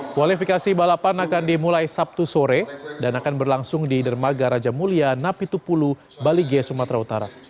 kualifikasi balapan akan dimulai sabtu sore dan akan berlangsung di dermaga raja mulia napitupulu baligia sumatera utara